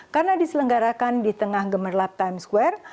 karena diselenggarakan di tengah gemerlap times square